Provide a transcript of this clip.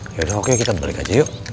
ya udah oke kita balik aja yuk